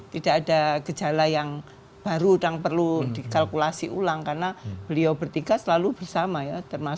tidak ada gejala yang baru yang perlu dikalkulasi ulang karena beliau bertiga selalu bersama ya